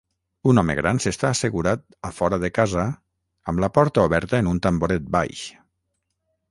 Un home gran s'està assegurat a fora de casa amb la porta oberta en un tamboret baix